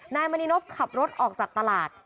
นายมณีนพขับรถออกจากตลาด